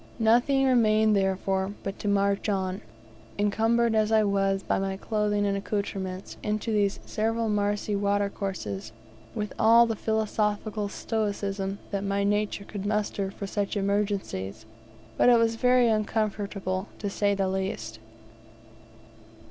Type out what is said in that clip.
Nothing remained, therefore, but to march on, all encumbered as I was with my clothing and accoutrements, into these several marshy watercourses, with all the philosophical stoicism that my nature could muster for such emergencies. But it was very uncomfortable, to say the least of it.